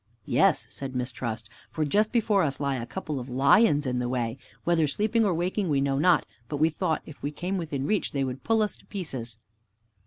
"Yes," said Mistrust; "for just before us lie a couple of lions in the way, whether sleeping or waking we know not, but we thought if we came within reach, they would pull us in pieces."